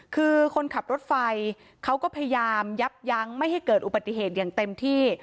คือคนขับรถไฟเขาก็พยายามยับยั้งไม่ให้เกิดอุบัติเหตุอย่างเต็มที่